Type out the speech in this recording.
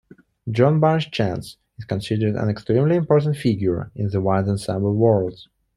John Barnes Chance is considered an extremely important figure in the wind ensemble world.